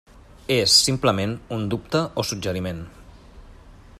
És, simplement, un dubte o suggeriment.